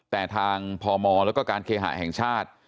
แต่ทางพมแล้วก็การเคหะแห่งชาติ